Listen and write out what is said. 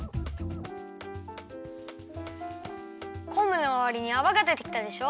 こんぶのまわりにあわがでてきたでしょ？